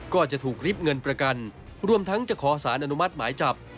ก็จะถูกริบเงินประกันรวมทั้งจะขอสารอนุมัติหมายจับ